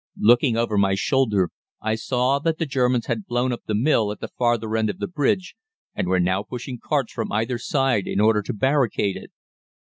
Looking over my shoulder, I saw that the Germans had blown up the mill at the farther end of the bridge, and were now pushing carts from either side in order to barricade it.